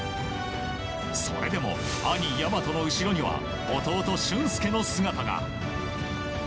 それでも兄・大和の後ろには弟・駿恭の姿が。